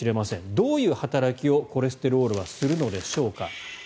どういう働きをコレステロールはするのでしょうか。